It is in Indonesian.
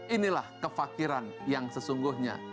inilah kefakiran yang sesungguhnya